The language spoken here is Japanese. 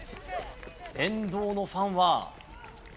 沿道のファンは。